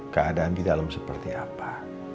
keadaan di dalam seperti apa